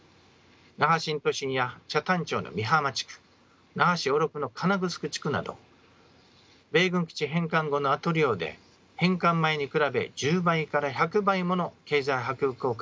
那覇新都心や北谷町の美浜地区那覇市小禄の金城地区など米軍基地返還後の跡利用で返還前に比べ１０倍から１００倍もの経済波及効果を上げています。